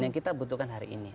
yang kita butuhkan hari ini